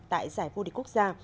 tại giải vô địch quốc gia